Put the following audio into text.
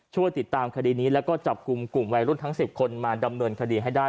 ช่วยติดตามคดีนี้แล้วก็จับกลุ่มกลุ่มวัยรุ่นทั้ง๑๐คนมาดำเนินคดีให้ได้